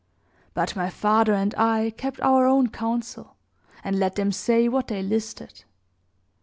But my father and I kept our own council, and let them say what they listed.